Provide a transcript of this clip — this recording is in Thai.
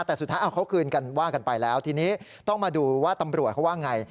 แต่สุดท้ายเอาเขาคืนกันว่ากันไปแล้วทีนี้ต้องมาดูว่าตำรวจเขาว่าไง